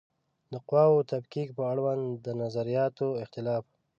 د قواوو د تفکیک په اړوند د نظریاتو اختلاف